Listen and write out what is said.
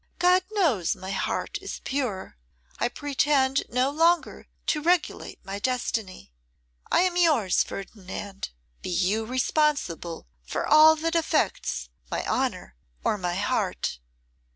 God knows my heart is pure. I pretend no longer to regulate my destiny. I am yours, Ferdinand. Be you responsible for all that affects my honour or my heart.